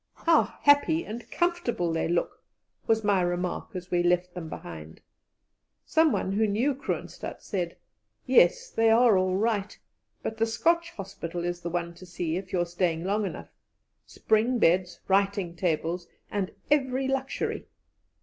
"How happy and comfortable they look!" was my remark as we left them behind. Someone who knew Kroonstadt said: "Yes, they are all right; but the Scotch Hospital is the one to see if you are staying long enough spring beds, writing tables, and every luxury."